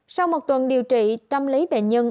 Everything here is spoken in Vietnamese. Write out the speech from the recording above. sau một tuần điều trị tâm lý bệnh nhân